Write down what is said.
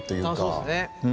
そうですね。